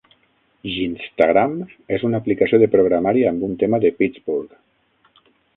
Yinztagram és una aplicació de programari amb un tema de Pittsburgh.